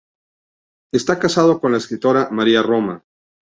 Está casado con la escritora Maria Roma.